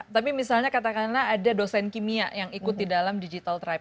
tapi misalnya katakanlah ada dosen kimia yang ikut di dalam digital tribe